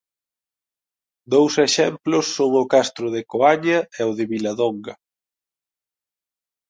Dous exemplos son o castro de Coaña e o de Viladonga.